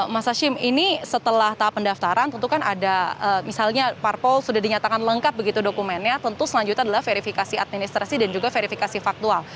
mas hashim ini setelah tahap pendaftaran tentu kan ada misalnya parpol sudah dinyatakan lengkap begitu dokumennya tentu selanjutnya adalah verifikasi administrasi dan juga verifikasi faktual